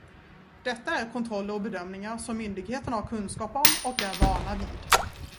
Detta är kontroller och bedömningar som myndigheten har kunskap om och är vana vid.